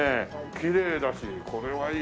きれいだしこれはいい。